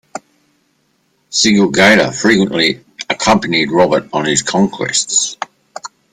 Sikelgaita frequently accompanied Robert on his conquests.